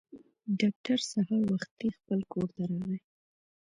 ډاکټر سهار وختي خپل کور ته راغی.